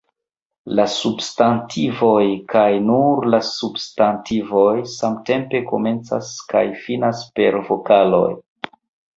La substantivoj, kaj nur la substantivoj, samtempe komencas kaj finas per vokaloj.